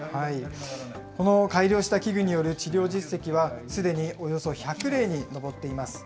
この改良した器具による治療実績は、すでにおよそ１００例に上っています。